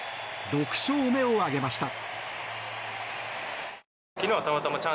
６勝目を挙げました。